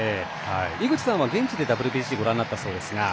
井口さんは、現地でＷＢＣご覧になったそうですが。